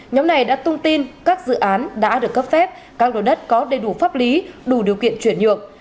nhóm này đã tung tin các dự án đã được cấp phép các đồ đất có đầy đủ pháp lý đủ điều kiện chuyển nhuộc